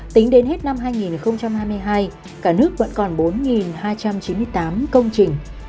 tính đến hết năm hai nghìn hai mươi hai cả nước vẫn còn bốn hai trăm chín mươi tám công trình